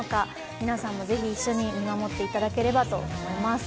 皆さんもぜひ一緒に見守っていただければと思います。